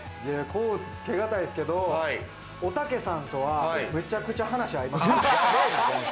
甲乙つけがたいですけど、おたけさんとは、めちゃくちゃ話し合いました。